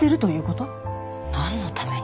何のために？